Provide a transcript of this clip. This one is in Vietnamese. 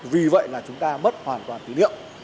vì vậy là chúng ta mất hoàn toàn tí niệm